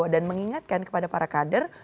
dan mengingatkan kepada para kader